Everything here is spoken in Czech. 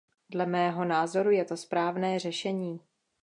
Dle mého názoru je to správné řešení.